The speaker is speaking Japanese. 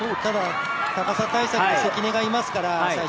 高さ対策で関根がいますから。